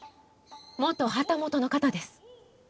元旗本の方です。